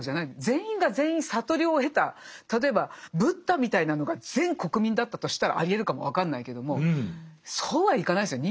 全員が全員悟りを経た例えばブッダみたいなのが全国民だったとしたらありえるかも分かんないけどもそうはいかないですよ。